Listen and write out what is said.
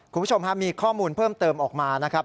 คุณผู้ชมฮะมีข้อมูลเพิ่มเติมออกมานะครับ